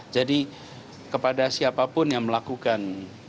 jadi kepada siapapun yang melakukan